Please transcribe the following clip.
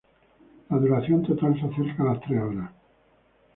La duración total se acerca a las tres horas.